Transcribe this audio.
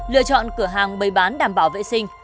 lựa chọn cửa hàng bày bán đảm bảo vệ sinh